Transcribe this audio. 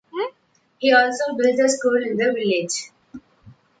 He also built the school in the village.